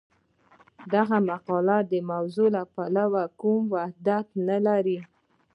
دغه مقالې د موضوع له پلوه کوم وحدت نه لري.